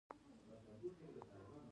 علم د ټکنالوژی پرمختګ ته لار هواروي.